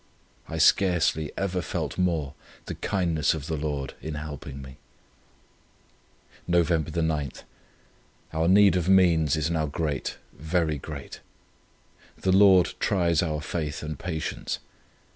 I scarcely ever felt more the kindness of the Lord in helping me. "Nov. 9. Our need of means is now great, very great. The Lord tries our faith and patience.